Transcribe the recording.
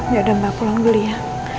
ya udah mbak pulang dulu ya